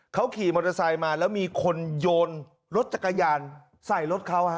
เขาขี่มอเตอร์ไซค์มาแล้วมีคนโยนรถจักรยานใส่รถเขาฮะ